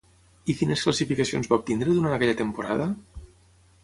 I quines classificacions va obtenir durant aquella temporada?